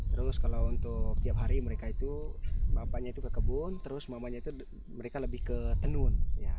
terus kalau untuk tiap hari mereka itu bapaknya itu ke kebun terus mamanya itu mereka lebih ke tenun